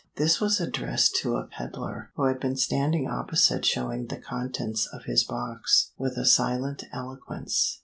This was addressed to a peddler who had been standing opposite showing the contents of his box with a silent eloquence.